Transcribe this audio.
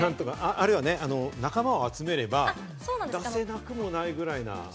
あとは仲間を集めれば出せなくもないぐらい。